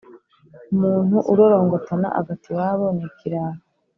Umuntu ururongotana agata iwabo n’ikirara